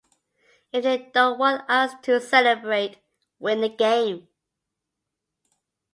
If they don't want us to celebrate, win the game.